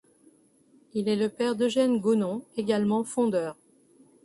Il est le père d'Eugène Gonon, également fondeur.